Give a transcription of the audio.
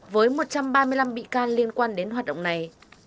với một trăm ba mươi năm bị can liên quan đến hoạt động này